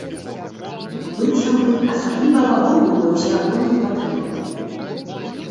Быццам бы асабліва лагодную да ўсеагульных патрэбаў.